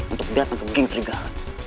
untuk datang ke ging serigala